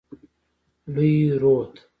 لوی رود.